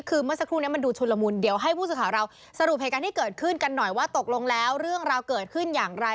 คือเมื่อสักครู่นี้มันดูชุนละมุนเดี๋ยวให้ผู้สื่อข่าวเราสรุปเหตุการณ์ที่เกิดขึ้นกันหน่อยว่าตกลงแล้วเรื่องราวเกิดขึ้นอย่างไร